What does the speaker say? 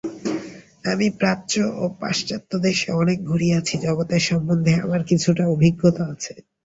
আমি প্রাচ্য ও পাশ্চাত্যদেশে অনেক ঘুরিয়াছি, জগতের সম্বন্ধে আমার কিছুটা অভিজ্ঞতা আছে।